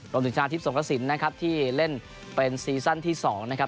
รวมสินค้าทิพย์สงฆสินนะครับที่เล่นเป็นซีซั่นที่๒นะครับ